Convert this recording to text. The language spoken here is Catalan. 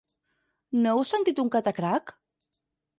No heu sentit un catacrac?